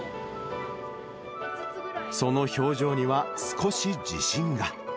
その表情には少し自信が。